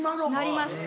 なります。